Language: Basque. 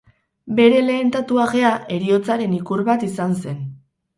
Bere lehen tatuajea heriotzaren ikur bat izan zen.